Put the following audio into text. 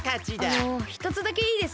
あのひとつだけいいですか？